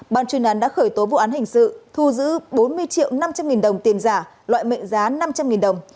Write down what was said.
ban chuyên án đã khởi tố vụ án hình sự thu giữ bốn mươi triệu năm trăm linh nghìn đồng tiền giả loại mệnh giá năm trăm linh nghìn đồng